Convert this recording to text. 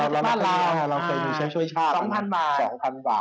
เราเคยมีเช็คช่วยชาติ๒๐๐๐บาท